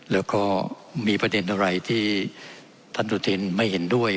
แล้วก็มีประเด็นอะไรที่ท่านสุธินไม่เห็นด้วย